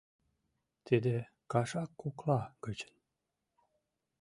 Тиде кашак кокла гычын